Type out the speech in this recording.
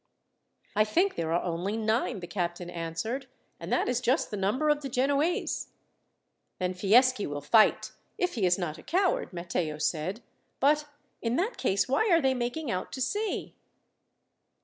"I think there are only nine," the captain answered, "and that is just the number of the Genoese." "Then Fieschi will fight, if he is not a coward," Matteo said; "but, in that case, why are they making out to sea?"